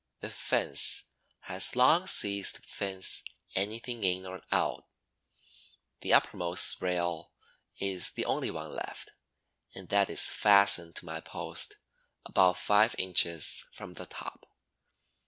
The fence has long ceased to fence anything in or out; the uppermost rail is the only one left and that is fastened to my post about five inches from the top.